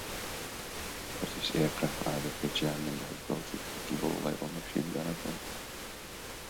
British aircraft added to German difficulties, with low-level machine-gun attacks.